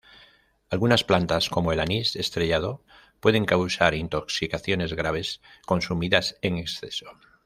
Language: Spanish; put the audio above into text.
Algunas plantas como el anís estrellado pueden causar intoxicaciones graves consumidas en exceso.